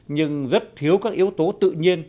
nhưng rất thiếu các yếu tố tự nhiên